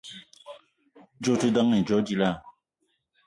Djeue ote ndeng edo djila?